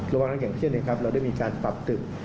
ระหว่างนั้นอย่างเช่นนะครับเราได้มีการปรับตึก